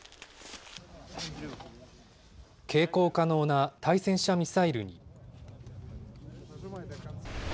携行可能な対戦車ミサイルに。